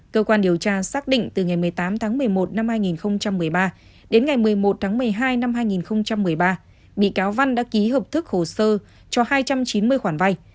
cơ quan điều tra xác định từ ngày một mươi tám tháng một mươi một năm hai nghìn một mươi ba đến ngày một mươi một tháng một mươi hai năm hai nghìn một mươi ba bị cáo văn đã ký hợp thức hồ sơ cho hai trăm chín mươi khoản vay